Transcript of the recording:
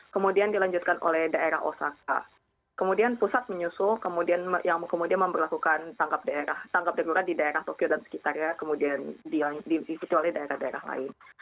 kemudian dilanjutkan oleh daerah osaka kemudian pusat menyusul kemudian yang kemudian memperlakukan tangkap daerah tanggap darurat di daerah tokyo dan sekitarnya kemudian dikecuali daerah daerah lain